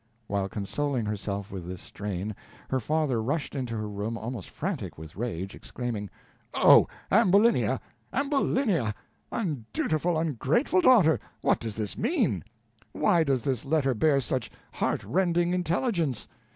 While consoling herself with this strain, her father rushed into her room almost frantic with rage, exclaiming: "Oh, Ambulinia! Ambulinia!! undutiful, ungrateful daughter! What does this mean? Why does this letter bear such heart rending intelligence?